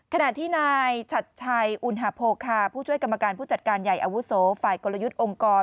ขณะที่นายชัดชัยอุณหโพคาผู้ช่วยกรรมการผู้จัดการใหญ่อาวุโสฝ่ายกลยุทธ์องค์กร